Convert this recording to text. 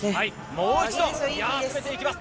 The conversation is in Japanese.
もう一度攻めていきます。